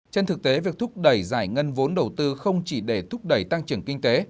trên thực tế việc thúc đẩy giải ngân vốn đầu tư không chỉ để thúc đẩy tăng trưởng kinh tế